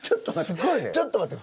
ちょっと待って。